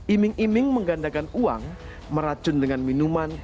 iming iming menggandakan uang meracun dengan minuman